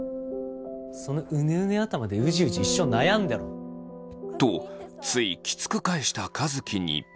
そのうねうね頭でうじうじ一生悩んでろ！とついきつく返した和樹に。